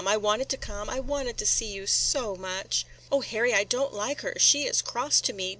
I wanted to come, – I wanted to see you so much!" "O Harry, I don't like her, – she is cross to me.